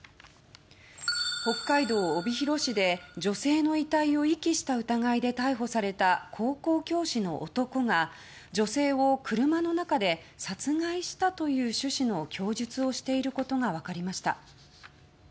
北海道帯広市で、女性の遺体を遺棄した疑いで逮捕された高校教師の男が女性を車の中で殺害したという趣旨の供述をしていることが分かりました。